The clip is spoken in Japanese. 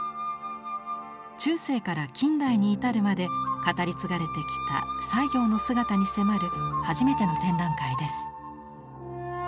中世から近代に至るまで語り継がれてきた西行の姿に迫る初めての展覧会です。